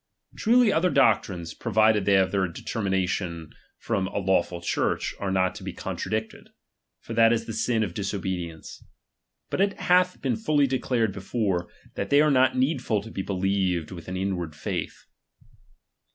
Truly other doctrines, provided they have their determination from a lawful Church, are not to be contradicted ; for that is the sin of disobe dience. But it hath been fully declared before, that they are not needful to be believed with an inward faith.